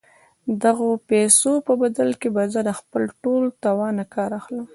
د دغو پيسو په بدل کې به زه له خپل ټول توانه کار اخلم.